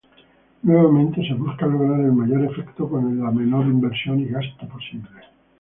Nuevamente se busca lograr el mayor efecto con la menor inversión y gasto posible.